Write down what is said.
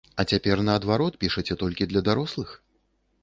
А цяпер, наадварот, пішаце толькі для дарослых?